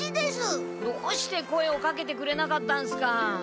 どうして声をかけてくれなかったんすか？